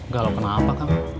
galau kenapa kang